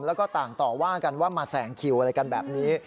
แล้วก็ต่างต่อว่ากันว่ามาแสงคิวอะไรกันแบบนี้